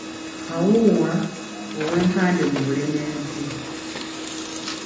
Kawuuwa ow'e Mpande mu Bulemeezi.